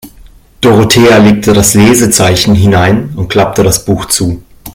Dorothea legte das Lesezeichen hinein und klappte das Buch zu.